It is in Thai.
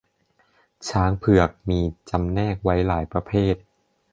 ช้างเผือกมีจำแนกไว้หลายประเภท